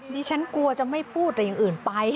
นี่ฉันกลัวจะไม่พูดอะไรอย่างอื่นไป